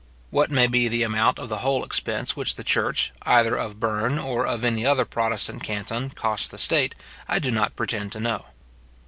What may be the amount of the whole expense which the church, either of Berne, or of any other protestant canton, costs the state, I do not pretend to know.